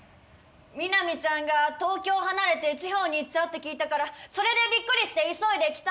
ミナミちゃんが東京離れて地方に行っちゃうって聞いたからそれでびっくりして急いで来たんだよ。